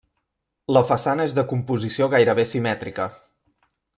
La façana és de composició gairebé simètrica.